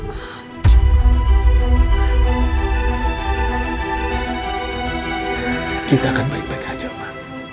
kita akan baik baik aja pak